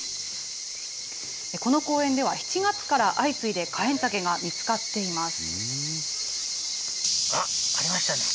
この公園では、７月から相次いでカエンタケが見つかっています。